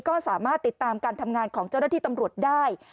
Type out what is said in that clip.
ก็สามารถติดตามการทำงานของเจ้าหน้าที่ตำรวจได้